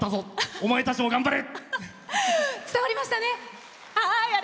お前たちも頑張れ！